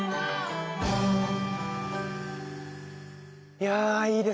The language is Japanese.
いやいいですね